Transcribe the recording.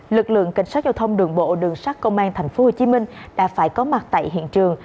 lực lượng cảnh sát giao thông đường bộ đường sát công an tp hcm đã phải có mặt tại hiện trường